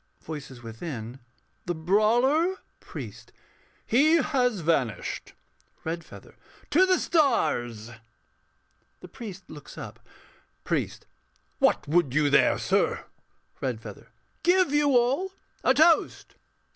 _] VOICES WITHIN. The brawler ... PRIEST. He has vanished REDFEATHER. To the stars. [The Priest looks up.] PRIEST [angrily]. What would you there, sir? REDFEATHER. Give you all a toast.